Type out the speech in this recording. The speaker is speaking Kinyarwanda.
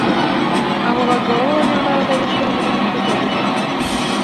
abo bagabo b’abanyambaraga bishwe n’ibirimi by’umuriro